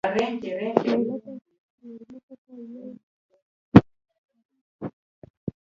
مېلمه ته که یوه دانه شته، پرې شریک شه.